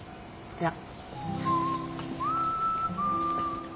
じゃあ。